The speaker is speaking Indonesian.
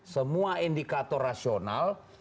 semua indikator rasional